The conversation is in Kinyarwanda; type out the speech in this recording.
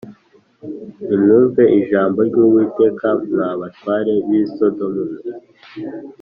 Nimwumve ijambo ry’Uwiteka, mwa batware b’i Sodomu mwe